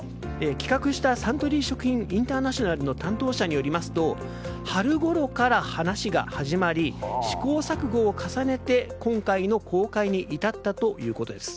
企画したサントリー食品インターナショナルの担当者によりますと春ごろから話が始まり試行錯誤を重ねて今回の公開に至ったということです。